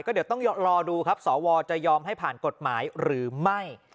เดี๋ยวต้องรอดูครับสวจะยอมให้ผ่านกฎหมายหรือไม่